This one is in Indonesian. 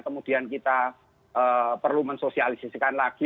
kemudian kita perlu mensosialisasikan lagi